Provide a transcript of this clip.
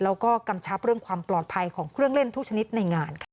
แล้วก็กำชับเรื่องความปลอดภัยของเครื่องเล่นทุกชนิดในงานค่ะ